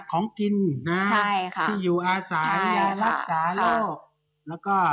ของกินนะที่อยู่อาสานรักษาโลก